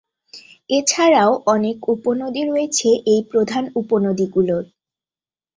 এছাড়াও অনেক উপনদী রয়েছে এই প্রধান উপনদী গুলির।